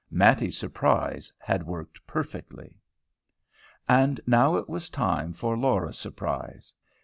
Mattie's surprise had worked perfectly. And now it was time for Laura's surprise!